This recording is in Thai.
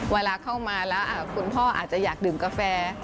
เวลาเข้ามาแล้วคุณพ่ออาจจะอยากดื่มกาแฟ